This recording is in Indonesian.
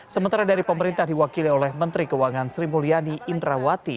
sementara dari pemerintah diwakili oleh menteri keuangan sri mulyani indrawati